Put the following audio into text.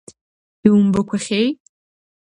Иумбақәахьеи?